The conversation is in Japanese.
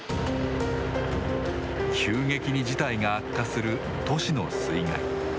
急激に事態が悪化する都市の水害。